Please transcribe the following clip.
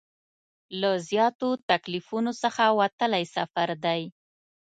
له زیاتو تکلیفونو څخه وتلی سفر دی.